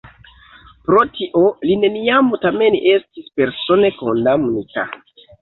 Pro tio li neniam tamen estis persone kondamnita.